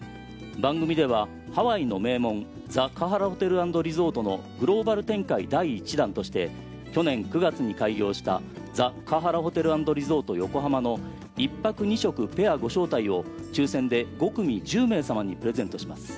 番組では、ハワイの名門「ザ・カハラ・ホテル＆リゾート」のグローバル展開第一弾として、昨年９月に開業した「ザ・カハラ・ホテル＆リゾート横浜」の１泊２食ペアご招待を、抽せんで５組１０名様にプレゼントします。